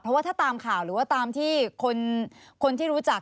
เพราะว่าถ้าตามข่าวหรือว่าตามที่คนที่รู้จัก